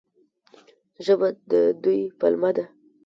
ژبه د دوی پلمه ده.